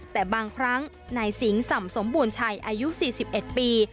แต่บางครั้งนายสิงสำสมบูรณ์ชัยอายุ๔๑ปี